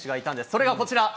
それがこちら。